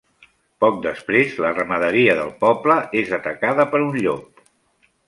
Poc després, la ramaderia del poble és atacada per un llop.